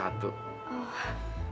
udah lulus s sebelas